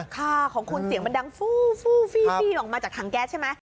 ค่ะของคุณเสียงมันดังฟูฟี่ออกมาจากถังแก๊สใช่ไหม